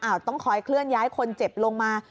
ต้องคอยเคลื่อนย้ายคนเจ็บลงมา